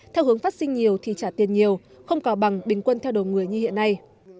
theo hướng phát sinh nhiều thì trả tiền nhiều không cào bằng bình quân theo đồ người như hiện nay